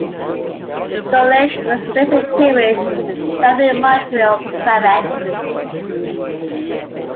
Schulich was raised in a Jewish family in Montreal, Quebec.